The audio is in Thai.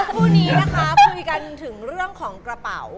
คู่นี้นะคะคุยกันถึงเรื่องของกระเป๋า